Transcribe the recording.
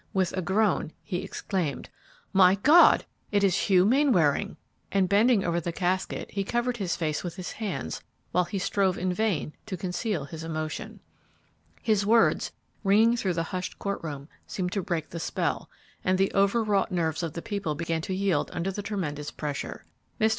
With a groan he exclaimed, "My God, it is Hugh Mainwaring!" and bending over the casket, he covered his face with his hands while he strove in vain to conceal his emotion. His words, ringing through the hushed court room, seemed to break the spell, and the over wrought nerves of the people began to yield under the tremendous pressure. Mr.